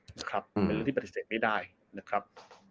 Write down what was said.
เป็นเรื่องที่ปฏิเสธไม่ได้นะครับ